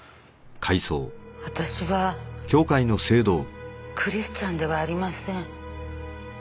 私はクリスチャンではありません。